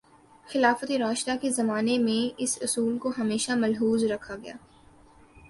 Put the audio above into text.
خلافتِ راشدہ کے زمانے میں اس اصول کو ہمیشہ ملحوظ رکھا گیا